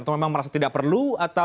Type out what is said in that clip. atau memang merasa tidak perlu